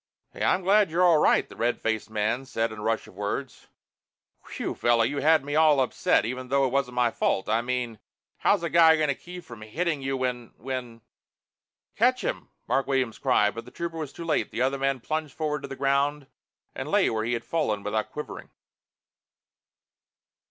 "Hey, I'm sure glad you're all right!" the red faced man said in a rush of words. "Whew, fellow, you had me all upset, even though it wasn't my fault. I mean, how's a guy gonna keep from hitting you when when " "Catch him!" Mark Williams cried, but the Trooper was too late. The other man plunged forward to the ground and lay where he had fallen without quivering.